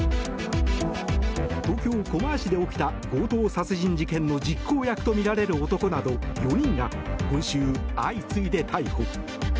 東京・狛江市で起きた強盗殺人事件の実行役とみられる男など４人が今週、相次いで逮捕。